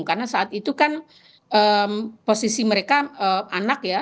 karena saat itu kan posisi mereka anak ya